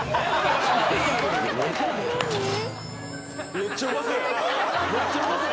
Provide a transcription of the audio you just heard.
「めっちゃうまそうやん！